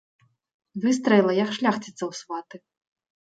Выстраіла, як шляхціца ў сваты.